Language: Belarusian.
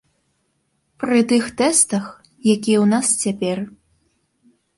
Пры тых тэстах, якія ў нас цяпер.